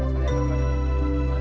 kamu harus berjaga